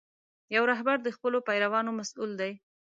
یو رهبر د خپلو پیروانو مسؤل دی.